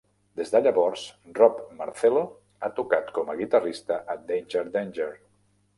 Des de llavors, Rob Marcello ha tocat com a guitarrista a Danger Danger.